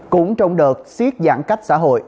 cũng trong đợt siết giãn cách xã hội